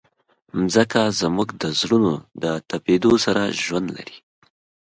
مځکه زموږ د زړونو د تپېدو سره ژوند لري.